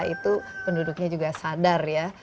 itu penduduknya juga sadar ya